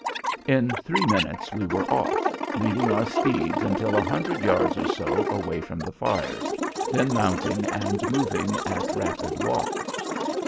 In three minutes we were off, leading our steeds until a hundred yards or so away from the fires, then mounting and moving at rapid walk.